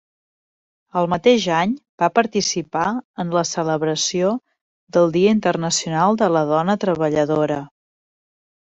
El mateix any va participar en la celebració del Dia Internacional de la Dona Treballadora.